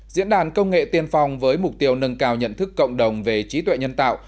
diễn đàn công nghệ tiên phong với mục tiêu nâng cao nhận thức cộng đồng về trí tuệ nhân tạo